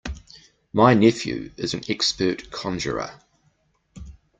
My nephew is an expert conjurer.